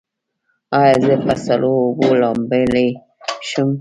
ایا زه په سړو اوبو لامبلی شم؟